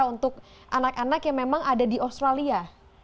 atau menularkan tarian indonesia untuk anak anak yang memang ada di australia